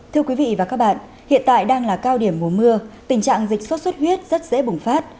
thưa quý vị và các bạn hiện tại đang là cao điểm mùa mưa tình trạng dịch sốt xuất huyết rất dễ bùng phát